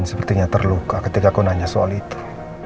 andin sepertinya terluka ketika aku nanya soal itu